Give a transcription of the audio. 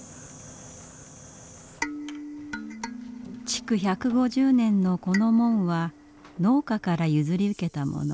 築１５０年のこの門は農家から譲り受けたもの。